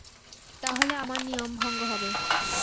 তাহলে আমার নিয়ম-ভঙ্গ হবে!